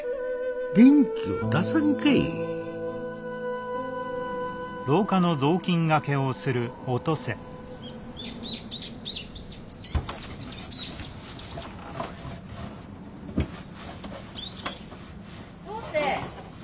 元気を出さんかい登勢。